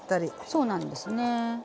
そうなんですね。